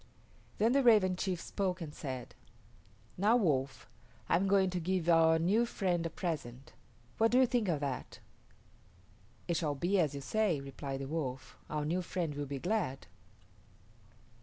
Then the Raven chief spoke and said, "Now, Wolf, I am going to give our new friend a present. What do you think of that?" "It shall be as you say," replied the Wolf; "our new friend will be glad."